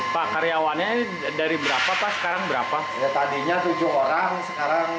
pak karyawannya dari berapa sekarang